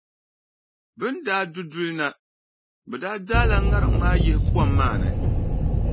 Bɛ ni daa du duli na, bɛ daa daala ŋariŋ maa yihi kom maa ni.